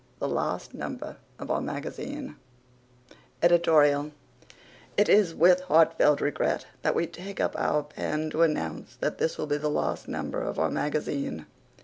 THE LAST NUMBER OF OUR MAGAZINE EDITORIAL It is with heartfelt regret that we take up our pen to announce that this will be the last number of Our Magazine.